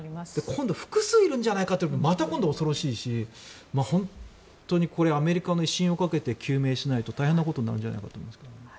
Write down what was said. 今度複数いるんじゃないかというのもまた今度、恐ろしいしアメリカの威信をかけて究明しないと大変なことになるんじゃないかと思います。